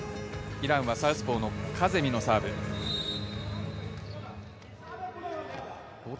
イランはサウスポーのカゼミのサーブ。